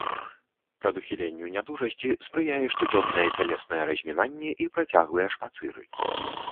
Прадухіленню нядужасці спрыяе штодзённае цялеснае размінанне і працяглыя шпацыры.